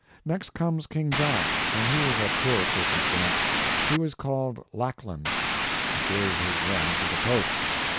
Next comes King John, and he was a poor circumstance. He was called Lackland. He gave his realm to the Pope.